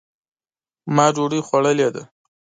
ما ډوډۍ خوړلې ده.